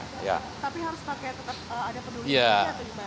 tapi harus pakai tetap ada peduli atau gimana